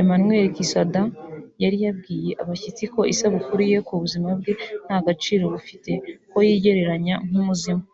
Emmanuel Kisadha yari yabwiye abashyitsi ku isabukuru ye ko ubuzima bwe nta gaciro bufite ko yigereranya nk’umuzimu